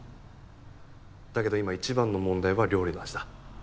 だけど今一番の問題は料理の味だ。